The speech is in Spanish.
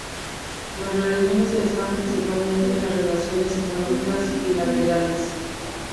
Las relaciones están principalmente en las relaciones económicas bilaterales.